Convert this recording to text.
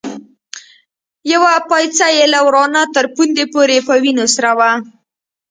يوه پايڅه يې له ورانه تر پوندې پورې په وينو سره وه.